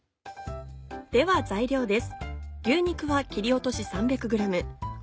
では材料です。